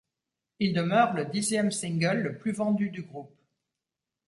Il demeure le dixième single le plus vendu du groupe.